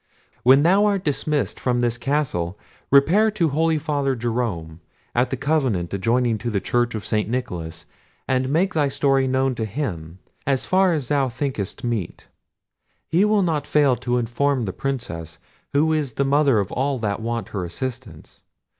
When thou art dismissed from this castle, repair to holy father Jerome, at the convent adjoining to the church of St. Nicholas, and make thy story known to him, as far as thou thinkest meet. He will not fail to inform the Princess, who is the mother of all that want her assistance.